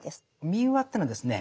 民話ってのはですね